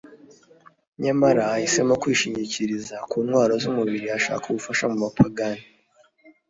nyamara ahisemo kwishingikiriza ku ntwaro z'umubiri, ashaka ubufasha mu bapagani